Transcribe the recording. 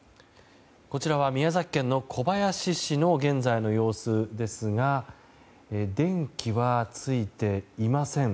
こちらは宮崎県の小林市の現在の様子ですが電気はついていません。